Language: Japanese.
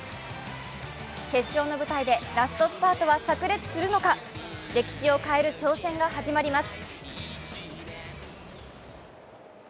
決勝の舞台でラストスパートはさく裂するのか歴史を変える挑戦が始まります。